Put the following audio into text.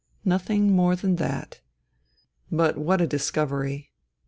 Nothing more than that. But what a dis covery